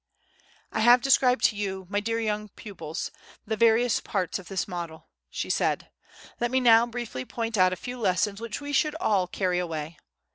"I have described to you, my dear young pupils, the various parts of this model," she said: "let me now briefly point out a few lessons which we should all carry away.